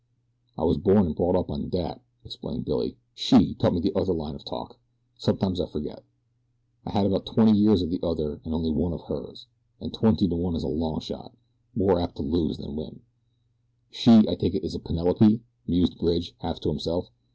"I was born and brought up on 'dat,'" explained Billy. "SHE taught me the other line of talk. Sometimes I forget. I had about twenty years of the other and only one of hers, and twenty to one is a long shot more apt to lose than win." "'She,' I take it, is PENELOPE," mused Bridge, half to himself.